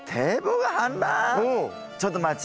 ちょっと待ち。